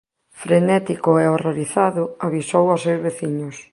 Frenético e horrorizado, avisou ós seus veciños.